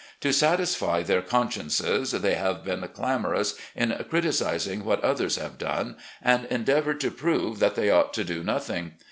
To satisfy their consciences, they have been clamorous in criticising what others have done, and endeavoured to prove that they ought to do nothing.